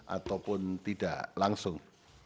ataupun tidak langsung